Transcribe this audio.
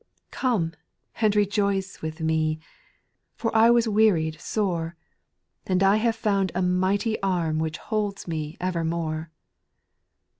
Come and rejoice with me I For I was wearied sore, And I have found a mighty arm Which holds me evermore.